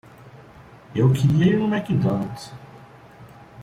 Eu queria ir ao McDonald's.